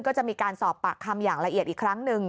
ก็จะมีการสอบปากคำอย่างละเอียดอีกครั้งหนึ่ง